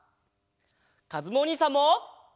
かずむおにいさんも！